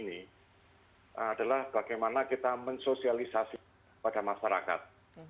yang pertama adalah bagaimana kita mensosialisasi pada masyarakat